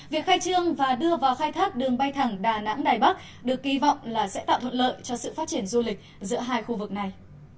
việc khai trương và đưa vào khai thác đường bay thẳng đà nẵng đài bắc được kỳ vọng là sẽ tạo thuận lợi cho sự phát triển du lịch giữa hai khu vực này